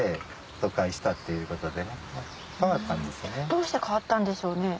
どうして変わったんでしょうね？